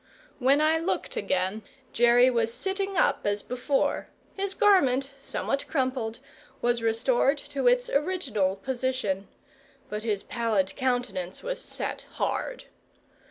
When I looked again, Jerry was sitting up as before; his garment, somewhat crumpled, was restored to its original position; but his pallid countenance was set hard.